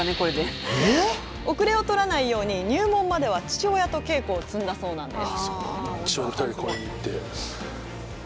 遅れをとらないように入門までは父親と稽古を積んだそうなんです。